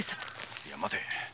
いや待て！